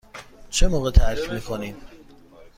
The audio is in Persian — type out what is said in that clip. چه موقع ترک می کنیم؟